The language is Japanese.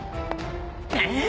えっ？